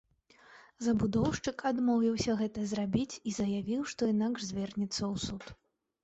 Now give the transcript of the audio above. Забудоўшчык адмовіўся гэта зрабіць і заявіў, што інакш звернецца ў суд.